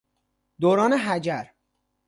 دوران حجر